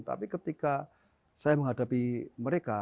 tapi ketika saya menghadapi mereka